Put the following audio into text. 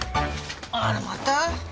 あらまた？